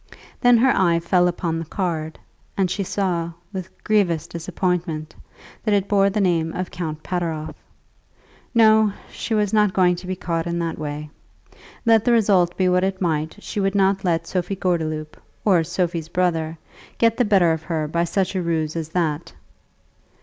Then her eye fell upon the card, and she saw, with grievous disappointment, that it bore the name of Count Pateroff. No; she was not going to be caught in that way. Let the result be what it might, she would not let Sophie Gordeloup, or Sophie's brother, get the better of her by such a ruse as that!